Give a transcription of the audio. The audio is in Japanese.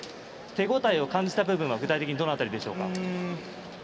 手応えを感じた部分は具体的にどこですか？